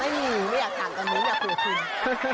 ไม่มีไม่อยากทานตอนนี้อยากปลูกกิน